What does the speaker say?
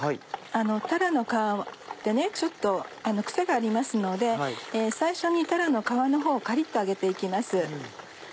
たらの皮ってちょっと癖がありますので最初にたらの皮のほうをカリッと揚げて行きます。